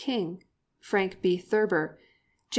King, Frank B. Thurber, J.